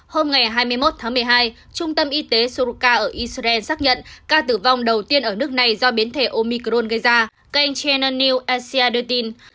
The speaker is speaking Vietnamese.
hôm hai mươi một một mươi hai trung tâm y tế suruka ở israel xác nhận ca tử vong đầu tiên ở nước này do biến thể omicron gây ra kênh channel news asia đưa tin